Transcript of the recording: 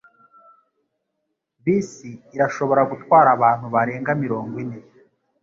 Bisi irashobora gutwara abantu barenga mirongo ine